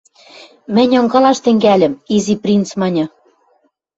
— Мӹнь ынгылаш тӹнгӓльӹм, — Изи принц маньы.